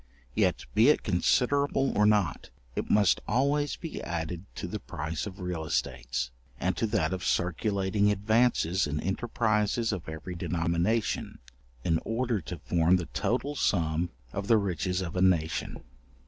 Yet be it considerable or not, it must always be added to the price of real estates, and to that of circulating advances in enterprises of every denomination, in order to form the total sum of the riches of a nation.